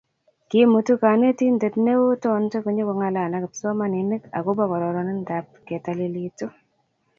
kimutu konetinte neoo tonte kunyo kulalal ak kipsomaninik akobo kororointab ketalilitu